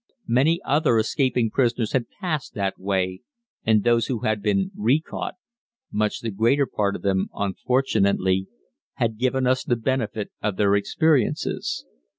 Many other escaping prisoners had passed that way, and those who had been recaught (much the greater part of them, unfortunately) had given us the benefit of their experiences.